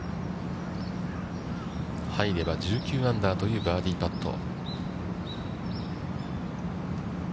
入れば１９アンダーというバーディーパット。